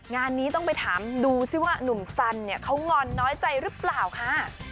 งานนี้ต้องไปถามดูซิว่าหนุ่มสันเนี่ยเขางอนน้อยใจหรือเปล่าค่ะ